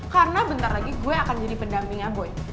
karena bentar lagi gue akan jadi pendampingnya boy